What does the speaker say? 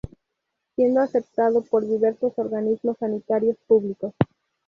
Siendo aceptado por diversos organismos sanitarios públicos.